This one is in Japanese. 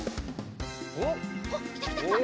おっきたきたきた！